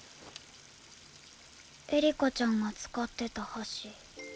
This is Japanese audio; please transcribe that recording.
エリカちゃんが使ってた箸。